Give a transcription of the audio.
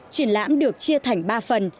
triển lãm được chia thành ba phần